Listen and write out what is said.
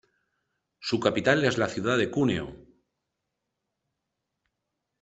Su capital es la ciudad de Cúneo.